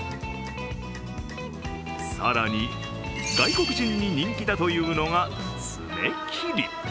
更に、外国人に人気だというのが爪切り。